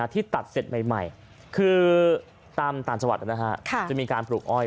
ที่ตัดเสร็จใหม่คือตามต่างจังหวัดจะมีการปลูกอ้อย